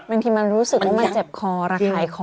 บางทีมันรู้สึกว่ามันเจ็บคอระคายคอ